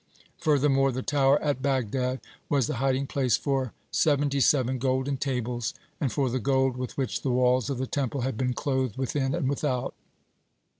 Furthermore, the tower at Bagdad was the hiding place for seventy seven golden tables, and for the gold with which the walls of the Temple had been clothed within and without.